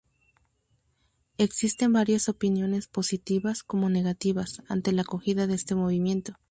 Existen varias opiniones, positivas como negativas, ante la acogida de este movimiento.